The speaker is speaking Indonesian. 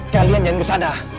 kalian jangan ke sana